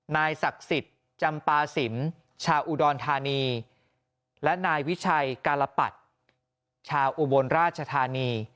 นายศักดิ์สิทธิ์จำปาสินชาวอุดรธานีและนายวิชัยกาลปัดชาวอุบลราชธานี